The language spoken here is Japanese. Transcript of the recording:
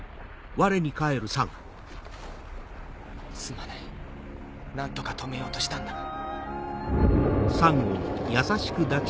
すまない何とか止めようとしたんだが。